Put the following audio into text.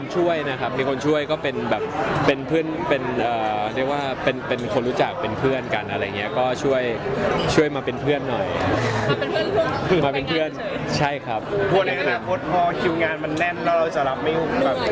หัวในอนาคตพอคิวงานมันแน่นแล้วเราจะรับไม่รู้